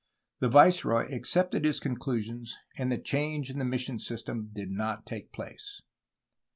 The viceroy accepted his conclu sions, and the change in the mission system did not take place.